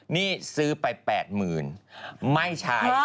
นี่ซื้อไป๘๐๐๐ไม่ใช้